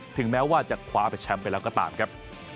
ถึงแม้ว่าจะคว้าเป็นแชมป์ไปแล้วก็ตามครับ